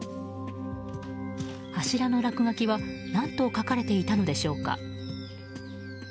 柱の落書きは何と書かれていたのでしょうか。